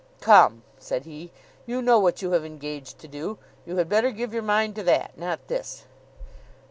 'Come!' said he, 'you know what you have engaged to do. You had better give your mind to that; not this.